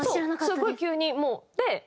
すごい急にもう。